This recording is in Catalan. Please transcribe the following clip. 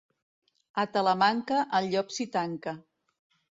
A Talamanca, el llop s'hi tanca.